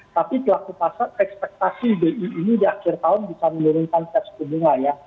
tapi pelaku pasar ekspektasi bi ini di akhir tahun bisa menurunkan suku bunga ya